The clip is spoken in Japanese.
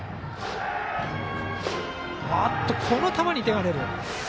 この球に手が出る。